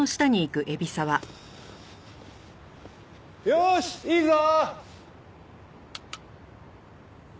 よしいいぞ！